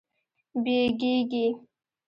بیږیږې